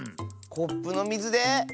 コップのみずで？